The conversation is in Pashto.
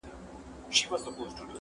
درته یادیږي بېله جنګه د خپل ښار خبري؟-